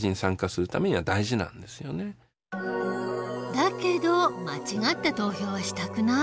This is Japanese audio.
だけど間違った投票はしたくない。